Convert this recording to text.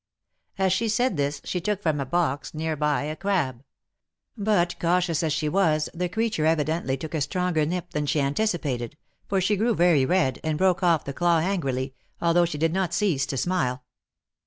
As she said this, she took from a box near by a crab ; but cautious as she was, the creature evidently took a stronger nip than she anticipated, for she grew very red, and broke off the claw angrily, although she did not cease to smile.